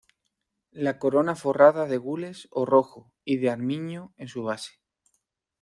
La corona forrada de gules o rojo y de armiño en su base.